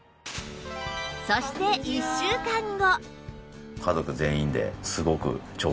そして１週間後